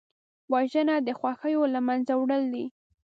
وژنه د خوښیو له منځه وړل دي